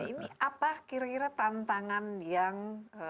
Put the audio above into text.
ini apa kira kira tantangan yang